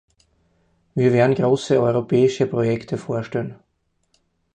Wir werden große europäische Projekte vorstellen.